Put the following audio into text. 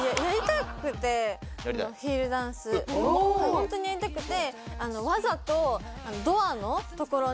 ホントにやりたくて。